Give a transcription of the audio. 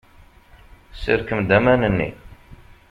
Serkem-d aman-nni.